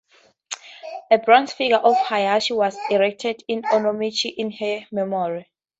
A bronze figure of Hayashi was erected in Onomichi in her memory.